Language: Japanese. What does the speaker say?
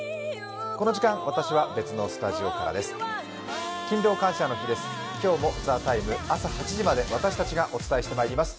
この時間、私は別のスタジオからです。